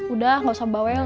udah nggak usah bawel